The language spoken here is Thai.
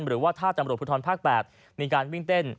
หรือว่าถ้าตำรวจภูทรภาค๘มีการวิ่งเต้น